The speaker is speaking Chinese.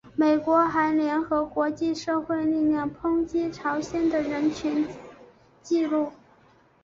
美国还联合国际社会力量抨击朝鲜的人权纪录。